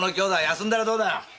休んだらどうだ。